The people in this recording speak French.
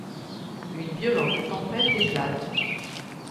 Une violente tempête éclate.